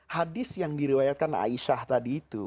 hadis yang diriwayatkan aisyah tadi itu